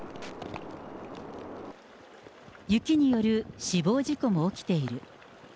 雪による死亡事故も起きている。